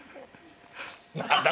何だ？